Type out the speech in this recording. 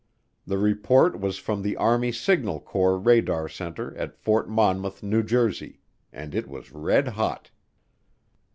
The report was from the Army Signal Corps radar center at Fort Monmouth, New Jersey, and it was red hot.